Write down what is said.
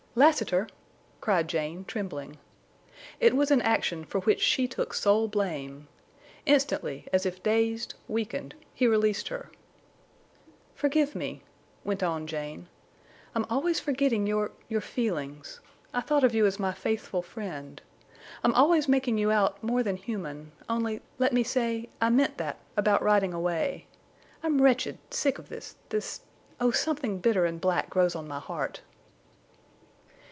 "Lassiter!" cried Jane, trembling. It was an action for which she took sole blame. Instantly, as if dazed, weakened, he released her. "Forgive me!" went on Jane. "I'm always forgetting your—your feelings. I thought of you as my faithful friend. I'm always making you out more than human... only, let me say—I meant that—about riding away. I'm wretched, sick of this—this—Oh, something bitter and black grows on my heart!"